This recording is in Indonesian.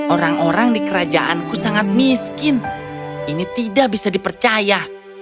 orang orang di kerajaanku sangat miskin ini tidak bisa dipercaya